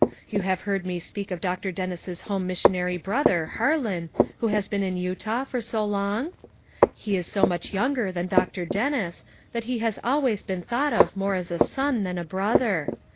You have heard me speak of Dr. Dennis's home missionary brother, Harlan, who has been in Utah for so long? He is so much younger than Dr. Dennis that he has always been thought of more as a son than a brother.